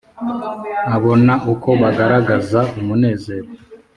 abona uko bagaragaza umunezero